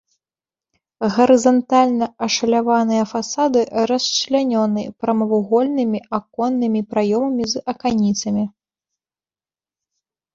Гарызантальна ашаляваныя фасады расчлянёны прамавугольнымі аконнымі праёмамі з аканіцамі.